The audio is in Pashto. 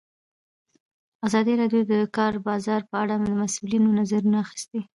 ازادي راډیو د د کار بازار په اړه د مسؤلینو نظرونه اخیستي.